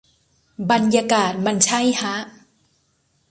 บรรยากาศมันใช่ฮะ